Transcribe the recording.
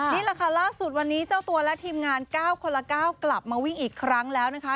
นี่แหละค่ะล่าสุดวันนี้เจ้าตัวและทีมงาน๙คนละ๙กลับมาวิ่งอีกครั้งแล้วนะคะ